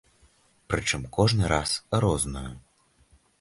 Прычым кожны раз розную.